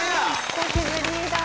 久しぶりだ。